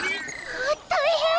あったいへん！